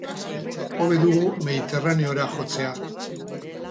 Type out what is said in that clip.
Hobe dugu Mediterraneora jotzea.